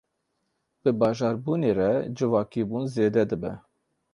Bi bajarbûnê re civakîbûn zêde dibe.